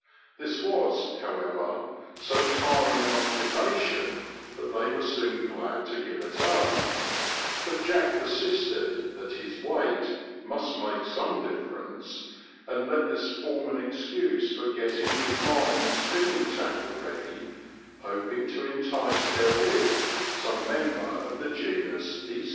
This was, however, so tiring an occupation that they were soon glad to give it up ; but Jack persisted that his weight must make some difference," and let this form an excuse for getting his line and spinning tackle ready, hoping to entice therewith some member of the genus esox.